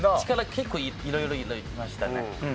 力結構いろいろ入れましたね。